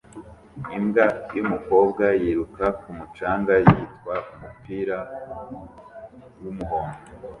Imbwa yumukobwa yiruka ku mucanga yitwaje umupira wumuhondo